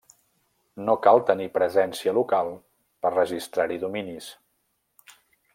No cal tenir presència local per registrar-hi dominis.